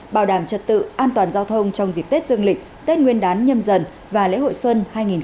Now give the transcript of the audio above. bảo đảm trật tự an toàn giao thông trong dịp tết dương lịch tết nguyên đán nhâm dần và lễ hội xuân hai nghìn hai mươi bốn